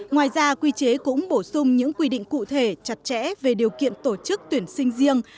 ngoài ra quy chế cũng bổ sung những quy định cụ thể chặt chẽ về điều kiện tổ chức tuyển sinh riêng